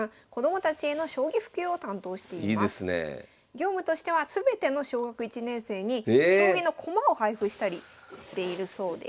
業務としては全ての小学１年生に将棋の駒を配布したりしているそうです。